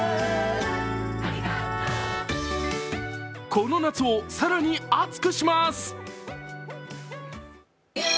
この夏を更に熱くします！